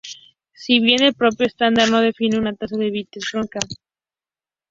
Si bien, el propio estándar no define una tasa de bits concreta.